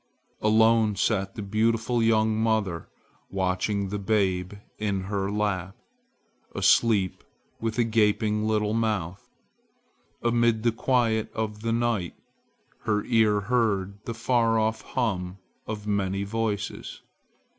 Alone sat the beautiful young mother watching the babe in her lap, asleep with a gaping little mouth. Amid the quiet of the night, her ear heard the far off hum of many voices.